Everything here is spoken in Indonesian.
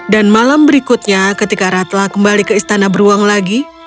dan malam berikutnya ketika rah telah kembali ke istana beruang lagi